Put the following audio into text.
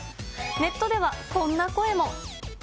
ネットではこんな声も。